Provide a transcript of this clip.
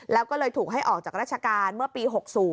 แล้วก็เลยถูกให้ออกจากราชการเมื่อปี๖๐